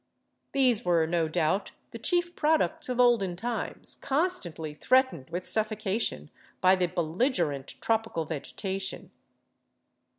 These were no doubt the chief products of olden times, constantly threatened with suffoca tion by the belligerent tropical vegetation.